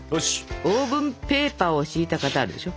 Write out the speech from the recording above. オーブンペーパーを敷いた型あるでしょ。